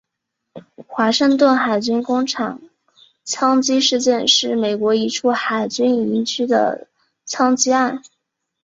华盛顿海军工厂枪击事件是美国一处海军营区的枪击案。